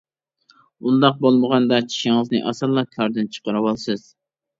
ئۇنداق بولمىغاندا چىشىڭىزنى ئاسانلا كاردىن چىقىرىۋالىسىز.